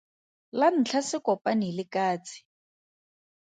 La ntlha se kopane le katse.